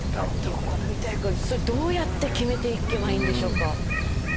それどうやって決めていけばいいんでしょうか？